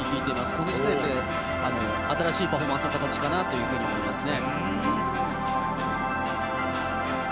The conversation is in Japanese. この時点で新しいパフォーマンスの形かなと思いますね。